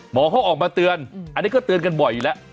หมอเขาออกมาเตือนอันนี้ก็เตือนกันบ่อยอยู่แล้ว